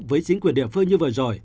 với chính quyền địa phương như vừa rồi